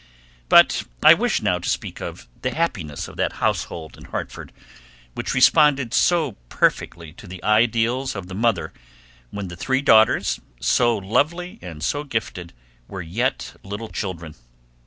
But I wish now to speak of the happiness of that household in Hartford which responded so perfectly to the ideals of the mother when the three daughters, so lovely and so gifted, were yet little children.